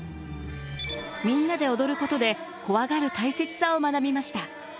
みんなで踊ることで怖がる大切さを学びました。